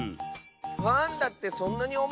パンダってそんなにおもいの？